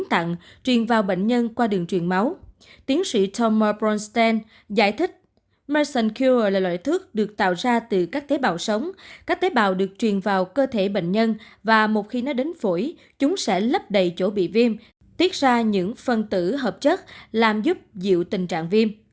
tiến sĩ mison qr là loại thuốc được tạo ra từ các tế bào sống các tế bào được truyền vào cơ thể bệnh nhân và một khi nó đến phổi chúng sẽ lấp đầy chỗ bị viêm tiết ra những phân tử hợp chất làm giúp dịu tình trạng viêm